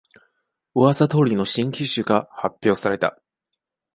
うわさ通りの新機種が発表された